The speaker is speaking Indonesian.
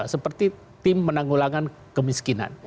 seperti tim penanggulangan kemiskinan